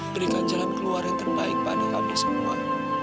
berikan jalan keluar yang terbaik pada kami semua